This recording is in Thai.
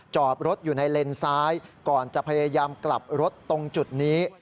จอดรถอยู่ในเลนซ้ายก่อนจะพยายามกลับรถตรงจุดนี้